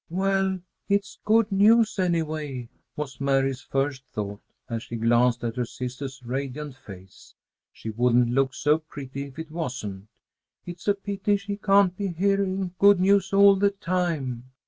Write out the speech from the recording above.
"Well, it's good news, anyway," was Mary's first thought, as she glanced at her sister's radiant face. "She wouldn't look so pretty if it wasn't. It's a pity she can't be hearing good news all the time.